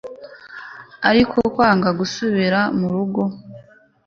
ariko kwanga gusubira murugo